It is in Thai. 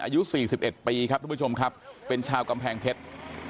อายุสี่สิบเอ็ดปีครับทุกผู้ชมครับเป็นชาวกำแพงเพชร